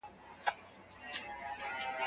هغه وويل چي احترام اړين دی.